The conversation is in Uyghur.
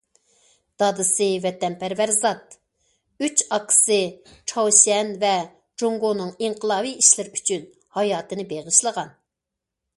دادىسى ۋەتەنپەرۋەر زات، ئۈچ ئاكىسى چاۋشيەن ۋە جۇڭگونىڭ ئىنقىلابىي ئىشلىرى ئۈچۈن ھاياتىنى بېغىشلىغان.